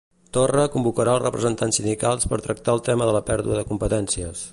Torra convocarà els representats sindicals per tractar el tema de la pèrdua de competències.